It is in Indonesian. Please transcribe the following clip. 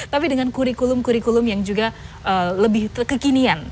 tapi dengan kurikulum kurikulum yang juga lebih kekinian